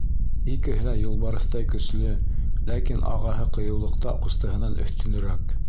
Икеһе лә юлбарыҫтай көслө, ләкин ағаһы ҡыйыулыҡта ҡустыһынан өҫтөнөрәк.